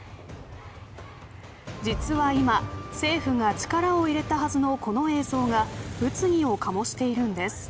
実は今、政府が力を入れたはずのこの映像が物議を醸しているんです。